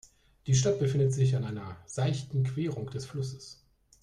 Die Stadt befindet sich an einer seichten Querung des Flusses.